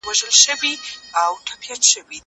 زه به اوږده موده سبزیجات وچولي وم؟